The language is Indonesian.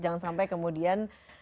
jangan sampai kemudian